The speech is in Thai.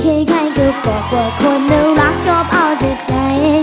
เห็นใครก็บอกว่าคนรักชอบเอาเจ็ดใจ